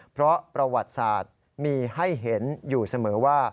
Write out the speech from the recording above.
เพราะประวัติศาสตร์มีให้เห็นอยู่เสมอว่า